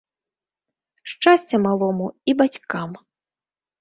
Шчасця малому і бацькам!